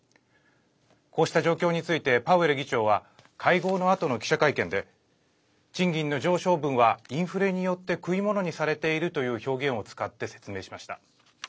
こうした状況についてパウエル議長は会合のあとの記者会見で賃金の上昇分はインフレによって食い物にされているという表現を使って説明しました。